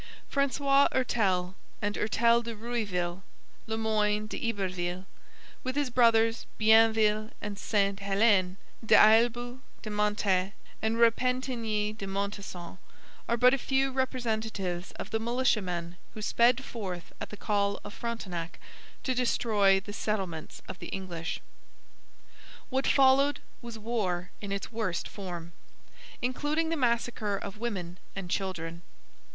Francois Hertel and Hertel de Rouville, Le Moyne d'Iberville with his brothers Bienville and Sainte Helene, D'Aillebout de Mantet and Repentigny de Montesson, are but a few representatives of the militiamen who sped forth at the call of Frontenac to destroy the settlements of the English. What followed was war in its worst form, including the massacre of women and children.